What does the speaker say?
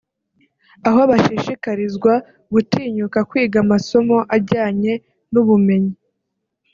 aho bashishikarizwa gutinyuka kwiga amasomo ajyanye n’ubumenyi